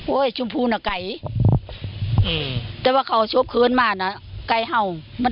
โอ้ยชมพู่น่ะไก่แต่ว่าเขาชบเขินมาน่ะไก่เห่า